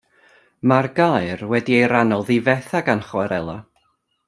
Mae'r gaer wedi ei rannol ddifetha gan chwarela.